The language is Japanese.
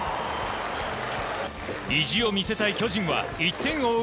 意地を見せたい巨人は１点を追う